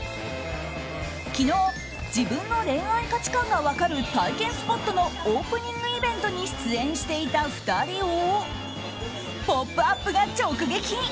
昨日、自分の恋愛価値観が分かる体験スポットのオープニングイベントに出演していた２人を「ポップＵＰ！」が直撃。